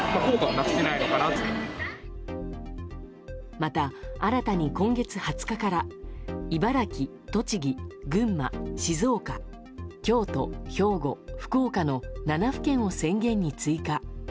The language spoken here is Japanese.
また、新たに今月２０日から茨城、栃木、群馬、静岡、京都兵庫、福岡の７府県を宣言に追加。